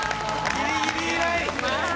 ギリギリライン。